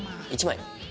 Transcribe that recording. １枚！